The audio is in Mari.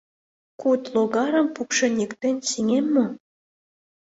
Куд логарым пукшен-йӱктен сеҥем мо?